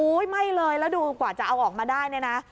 ไม่เลยแล้วดูกว่าจะเอาออกมาได้เนี่ยนะ